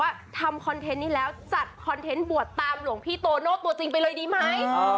ทำคอนเทนต์นี้แล้วจัดคอนเทนต์บวชตามหลวงพี่โตโน่ตัวจริงไปเลยดีไหม